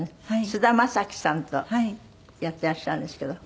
菅田将暉さんとやってらっしゃるんですけど。